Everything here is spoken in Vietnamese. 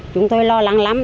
chúng tôi lo lắng lắm